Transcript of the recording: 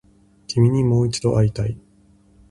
君にもう一度会いたい